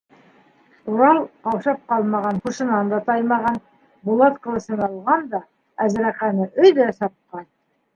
Урал ҡаушап ҡалмаған, һушынан да таймаған, булат ҡылысын алған да Әзрәҡәне өҙә сапҡан.